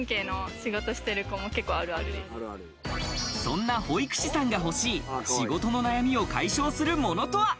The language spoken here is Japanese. そんな保育士さんが欲しい仕事の悩みを解消するものとは？